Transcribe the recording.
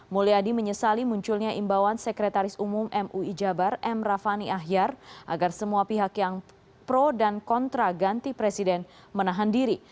mulyadi menyesali munculnya imbauan sekretaris umum mui jabar m rafani ahyar agar semua pihak yang pro dan kontra ganti presiden menahan diri